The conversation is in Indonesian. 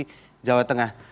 kabupaten boyolali jawa tengah